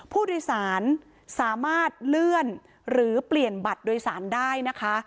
ผู้โดยสารสามารถเลื่อนหรือเปลี่ยนบัตรโดยสารได้นะคะ